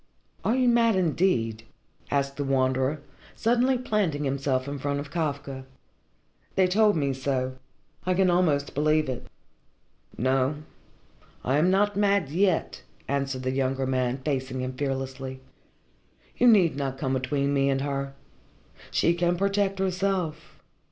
"Are you mad, indeed?" asked the Wanderer, suddenly planting himself in front of Kafka. "They told me so I can almost believe it." "No I am not mad yet," answered the younger man, facing him fearlessly. "You need not come between me and her. She can protect herself.